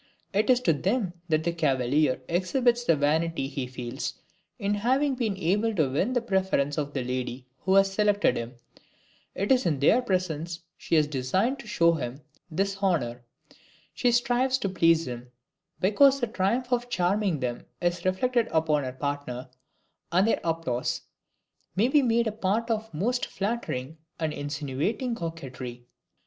It is to them that the cavalier exhibits the vanity he feels in having been able to win the preference of the lady who has selected him; it is in their presence she has deigned to show him this honor; she strives to please them, because the triumph of charming them is reflected upon her partner, and their applause may be made a part of the most flattering and insinuating coquetry.